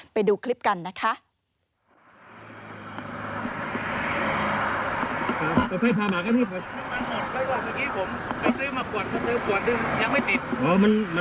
ไปดูคลิปกันนะคะ